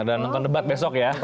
nah dan nonton debat besok ya